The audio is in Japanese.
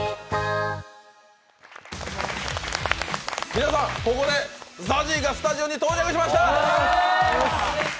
皆さん、ここでＺＡＺＹがスタジオに到着しました。